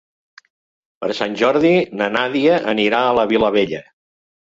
Per Sant Jordi na Nàdia anirà a la Vilavella.